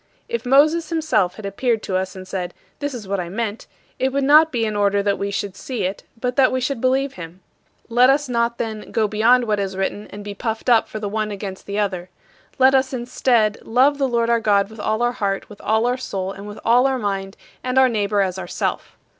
If Moses himself had appeared to us and said, "This is what I meant," it would not be in order that we should see it but that we should believe him. Let us not, then, "go beyond what is written and be puffed up for the one against the other." Let us, instead, "love the Lord our God with all our heart, with all our soul, and with all our mind, and our neighbor as ourself."